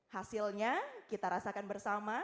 hasilnya kita rasakan bersama